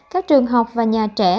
các trường học và nhà trẻ